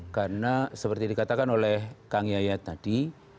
karena seperti dikatakan oleh kang yaya tadi